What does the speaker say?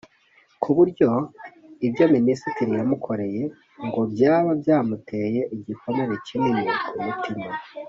kuburyo ibyo minisitiri yamukoreye ngo byaba byamuteye igikomere kinini ku mutima